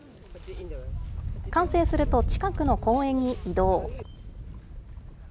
完成すると近くの公園に移動。